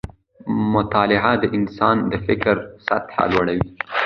مطالعه د انسان د فکر سطحه لوړه وي